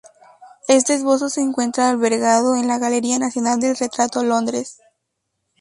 Este esbozo se encuentra albergado en la Galería Nacional del Retrato, Londres.